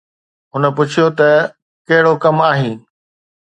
هن پڇيو ته ڪهڙو ڪم آهين؟